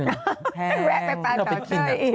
แพงถ้าเราไปกิน